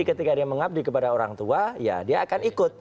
ketika dia mengabdi kepada orang tua ya dia akan ikut